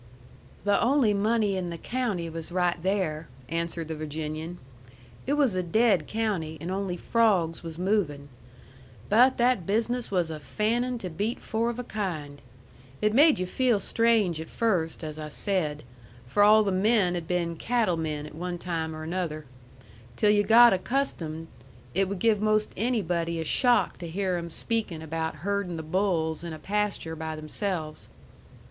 "The only money in the county was right there," answered the Virginian. "It was a dead county, and only frawgs was movin'. But that business was a fannin' to beat four of a kind. It made yu' feel strange at first, as I said. For all the men had been cattle men at one time or another. Till yu' got accustomed, it would give 'most anybody a shock to hear 'em speak about herdin' the bulls in a pasture by themselves."